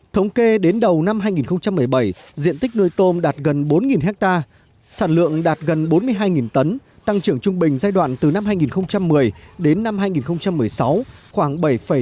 thống kê đến đầu năm hai nghìn một mươi bảy diện tích nuôi tôm đạt gần bốn ha sản lượng đạt gần bốn mươi hai tấn tăng trưởng trung bình giai đoạn từ năm hai nghìn một mươi đến năm hai nghìn một mươi sáu khoảng bảy bảy mươi